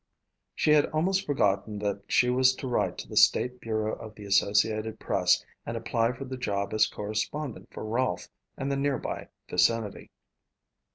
She had almost forgotten that she was to write to the state bureau of the Associated Press and apply for the job as correspondent for Rolfe and the nearby vicinity.